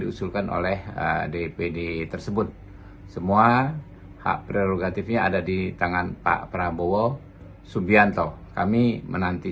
diusulkan oleh dpd tersebut semua hak prerogatifnya ada di tangan pak prabowo subianto kami menanti